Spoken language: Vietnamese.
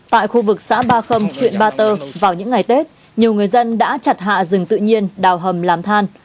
tại khu vực xã ba khâm huyện ba tơ vào những ngày tết nhiều người dân đã chặt hạ rừng tự nhiên đào hầm làm than